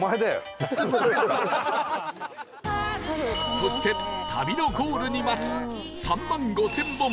そして旅のゴールに待つ３万５０００本！